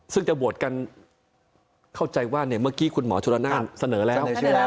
ซึ่งจะโหวตกันเข้าใจว่าเมื่อกี้คุณหมอชุลนานเสนอแล้ว